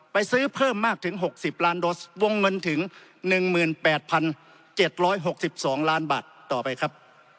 ซื้อเพิ่มมากถึง๖๐ล้านโดสวงเงินถึง๑๘๗๖๒ล้านบาทต่อไปครับ